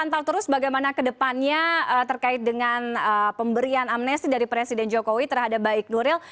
terus bagaimana kedepannya terkait dengan pemberian amnesti dari presiden jokowi terhadap baik nuril